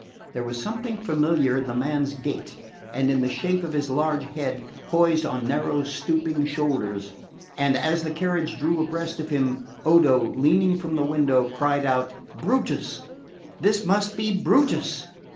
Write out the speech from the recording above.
There was something familiar in the man's gait, and in the shape of his large head, poised on narrow stooping shoulders, and as the carriage drew abreast of him, Odo, leaning from the window, cried out, "Brutus this must be Brutus!"